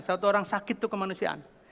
satu orang sakit itu kemanusiaan